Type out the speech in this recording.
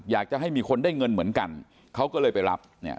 อยากจะให้มีคนได้เงินเหมือนกันเขาก็เลยไปรับเนี่ย